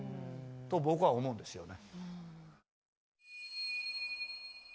と僕は思うんですよね。